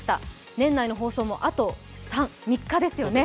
年内の放送もあと３日ですよね。